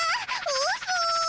うそ！